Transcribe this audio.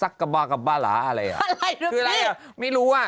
พี่แม่อ่านเก่งว่ะ